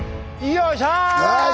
よいしょ！